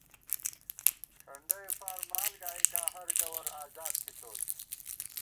کھنڈَئےفار مال گائیکاں ہَر گوَر ازاد تھی تول